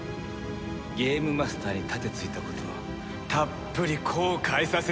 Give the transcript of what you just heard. ゲームマスターに盾突いたことをたっぷり後悔させてあげる！